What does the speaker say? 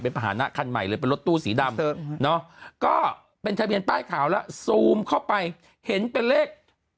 เป็นภาษณะคันใหม่เลยเป็นรถตู้สีดำก็เป็นทะเบียนป้ายขาวแล้วซูมเข้าไปเห็นเป็นเลข